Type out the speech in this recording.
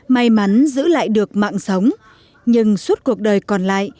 may mắn giữ lại được mạng sống nhưng suốt cuộc đời còn lại